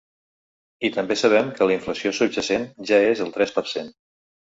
I també sabem que la inflació subjacent ja és al tres per cent.